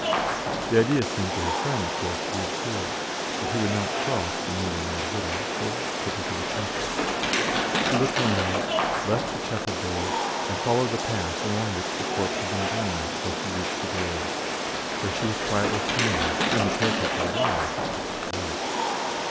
The idea seemed to her friend, of course, to be absurd; but he would not cross the newly made widow, so took her to the chapel. She looked round, left the chapel door, and followed the path along which the corpse had been borne till she reached the grave, where she was quietly standing when the caretaker arrived to point it out.